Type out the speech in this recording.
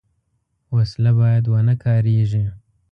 وسله باید ونهکارېږي